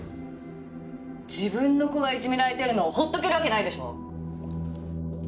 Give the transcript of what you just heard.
自分の子がいじめられてるのをほっとけるわけないでしょう！